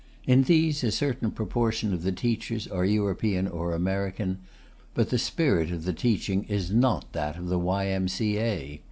In these, a certain proportion of the teachers are European or American, but the spirit of the teaching is not that of the Y.M.C.A.